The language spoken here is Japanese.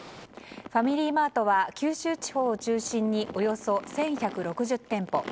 ファミリーマートは九州地方を中心におよそ１１６０店舗。